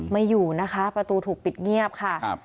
ไม่อยู่นะคะประตูถูกปิดเงียบค่ะ